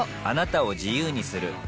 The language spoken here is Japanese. あなたを自由にする